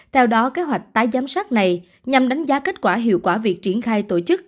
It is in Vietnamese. theo đó kế hoạch tái giám sát này nhằm đánh giá kết quả hiệu quả việc triển khai tổ chức